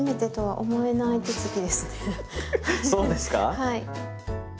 はい。